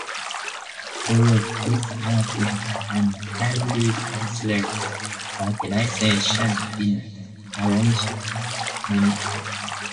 The word is Latin, and can be translated as "organization" or "arrangement".